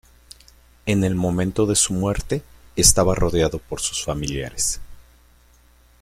En el momento de su muerte, estaba rodeado por sus familiares.